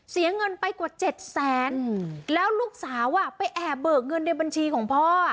เสียเงินไปกว่าเจ็ดแสนแล้วลูกสาวไปแอบเบิกเงินในบัญชีของพ่อ